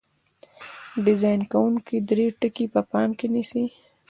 ډیزاین کوونکي درې ټکي په پام کې نیسي.